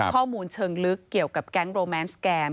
ข้อมูลเชิงลึกเกี่ยวกับแก๊งโรแมนสแกม